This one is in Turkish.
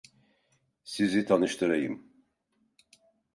Sizi tanıştırayım.